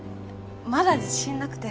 まだ自信なくて。